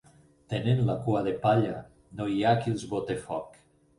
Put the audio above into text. Tenen la cua de palla, i no hi ha qui els bote foc!